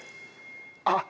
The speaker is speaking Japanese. あっ！